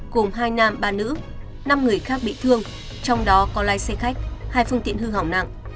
gồm hai nam ba nữ năm người khác bị thương trong đó có lái xe khách hai phương tiện hư hỏng nặng